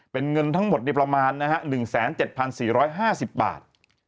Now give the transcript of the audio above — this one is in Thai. เป็นเงินทั้งหมดประมาณ๑๗๔๕๐บาท